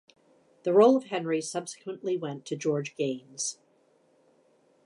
The role of Henry subsequently went to George Gaynes.